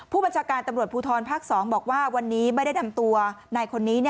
ผู้บัญชาการตำรวจภูทรภาค๒บอกว่าวันนี้ไม่ได้นำตัวนายคนนี้